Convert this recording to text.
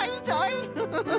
フフフフ。